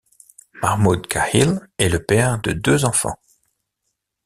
Mahmoud Kahil est le père de deux enfants.